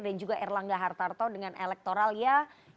dan juga erlangga hartarto dengan elektoral ya